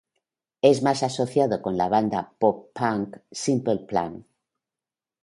Es más asociado con la banda pop punk Simple Plan.